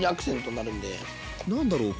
何だろう